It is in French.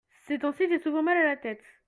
ces temps-ci j'ai souvent mal à la tête.